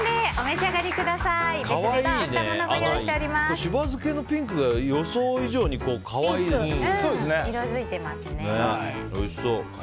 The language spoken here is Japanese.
しば漬けのピンクが予想以上に可愛いですね。